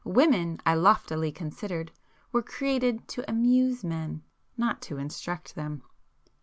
Women, I loftily considered, were created to amuse men,—not to instruct them.